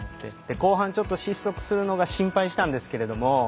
後半ちょっと失速するのを心配したんですが